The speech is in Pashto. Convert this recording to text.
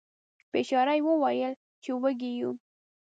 په اشاره یې وویل چې وږي یو.